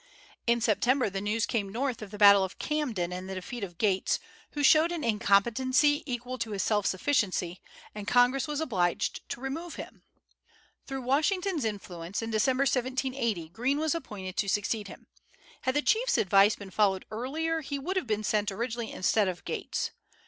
In September the news came North of the battle of Camden and the defeat of Gates, who showed an incompetency equal to his self sufficiency, and Congress was obliged to remove him. Through Washington's influence, in December, 1780, Greene was appointed to succeed him; had the chief's advice been followed earlier he would have been sent originally instead of Gates.